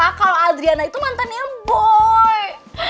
kalau adriana itu mantan ya boy